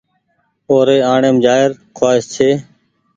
او ري آڻيم جآئي ر کوآئس ڇي۔